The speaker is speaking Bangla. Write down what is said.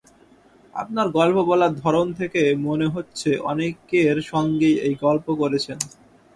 আপনার গল্প বলার ধরন থেকে মনে হচ্ছে অনেকের সঙ্গেই এই গল্প করেছেন।